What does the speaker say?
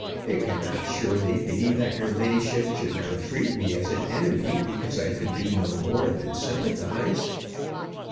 It cannot surely be that your ladyship should now treat me as an enemy because I could do no more than sympathize!